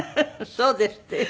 そうですって。